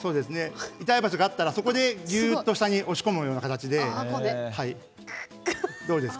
痛い場所があったらそこでぎゅっと下に押し込むような感じです。